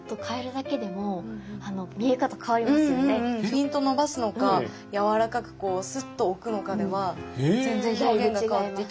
ピンと伸ばすのか柔らかくすっと置くのかでは全然表現が変わってきますね。